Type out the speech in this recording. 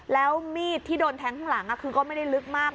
แล้วมีดที่โดนแทงข้างหลังคือก็ไม่ได้ลึกมาก